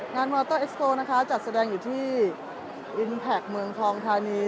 มอเตอร์เอสโตนะคะจัดแสดงอยู่ที่อินแพคเมืองทองทานี